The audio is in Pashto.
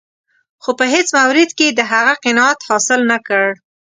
خو په هېڅ مورد کې یې د هغه قناعت حاصل نه کړ.